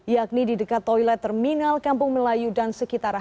yakni di dekat toilet terminal kampung melayu dan sekitarnya